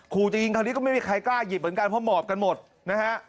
ขู่จะยิงคราวนี้ก็ไม่มีใครกล้าหยิบเหมือนกันเพราะหมอบกันหมดนะฮะ